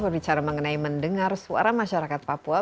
berbicara mengenai mendengar suara masyarakat papua